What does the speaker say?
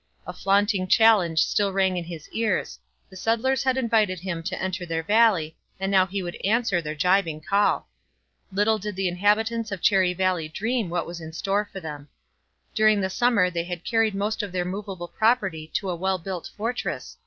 A flaunting challenge still rang in his ears; the settlers had invited him to enter their valley, and now he would answer their gibing call. Little did the inhabitants of Cherry Valley dream what was in store for them. During the summer they had carried most of their movable property to a well built fortress.